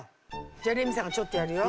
じゃあレミさんがちょっとやるよ。